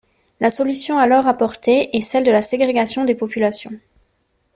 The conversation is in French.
La solution alors apportée est celle de la ségrégation des populations.